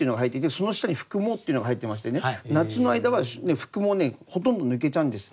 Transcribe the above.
その下に副毛っていうのが生えてましてね夏の間は副毛はねほとんど抜けちゃうんです。